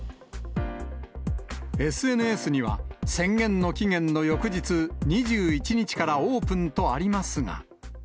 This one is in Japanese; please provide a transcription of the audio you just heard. ＳＮＳには、宣言の期限の翌日、２１日からオープンとありますが。